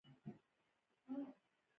لیکلي مدارک یې لاسونه بندوي.